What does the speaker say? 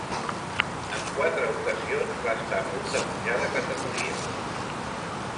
En quatre ocasions va estar a punt de pujar de categoria.